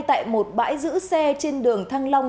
tại một bãi giữ xe trên đường thăng long